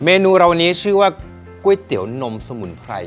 เนนูเราวันนี้ชื่อว่าก๋วยเตี๋ยวนมสมุนไพร